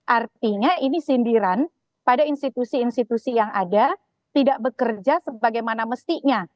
artinya ini sindiran pada institusi institusi yang ada tidak bekerja sebagaimana mestinya